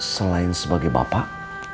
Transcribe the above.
selain sebagai bapak